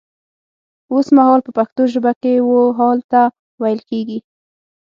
وسمهال په پښتو ژبه کې و حال ته ويل کيږي